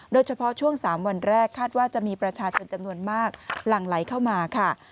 โดยเฉพาะช่วง๓วันแรกคาดว่าจะมีประชาชนจำนวนมากหลั่งไหลเข้ามาค่ะ